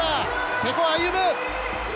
瀬古歩夢。